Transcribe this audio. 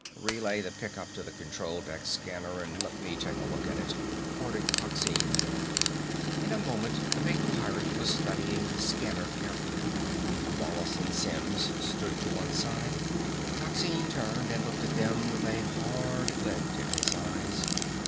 "Relay the pickup to the control deck scanner and let me take a look at it," ordered Coxine. In a moment the big pirate was studying the scanner carefully. Wallace and Simms stood to one side. Coxine turned and looked at them with a hard glint in his eyes.